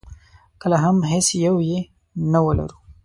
کله هم هېڅ یو یې نه ولرو.